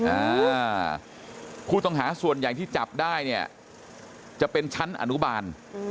อ่าผู้ต้องหาส่วนใหญ่ที่จับได้เนี่ยจะเป็นชั้นอนุบาล